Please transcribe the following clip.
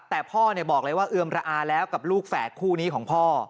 แต่พ่อบอกเลยว่าเอือมระอาแล้วกับลูกแฝดคู่นี้ของพ่อ